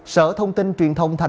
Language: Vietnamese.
sở thông tin truyền thông tp hcm